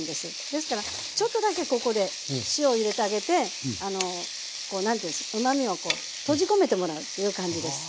ですからちょっとだけここで塩入れてあげてあのこう何ていうんですかうまみを閉じ込めてもらうっていう感じです。